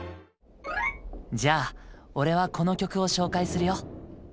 じゃあ俺はこの曲を紹介するよ。